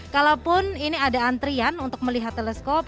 kalaupun ini ada antrian untuk melihat teleskop